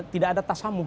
tidak ada tasamu